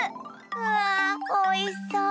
わあおいしそう。